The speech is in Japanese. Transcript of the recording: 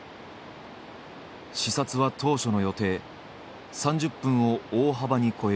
視察は当初の予定３０分を大幅に超える５０分。